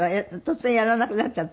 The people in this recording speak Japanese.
突然やらなくなっちゃった。